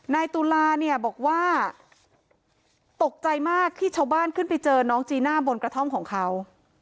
ตุลาเนี่ยบอกว่าตกใจมากที่ชาวบ้านขึ้นไปเจอน้องจีน่าบนกระท่อมของเขา